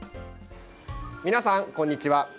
皆さん、こんにちは。